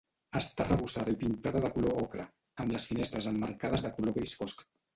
Està arrebossada i pintada de color ocre, amb les finestres emmarcades de color gris fosc.